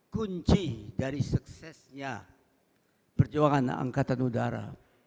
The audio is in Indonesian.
kunci dari suksesnya perjuangan angkatan udara